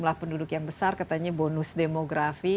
jumlah penduduk yang besar katanya bonus demografi